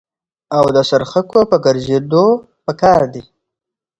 او د څرخکو په ګرځېدو په قار دي.